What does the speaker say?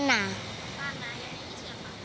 yang nyanyi siapa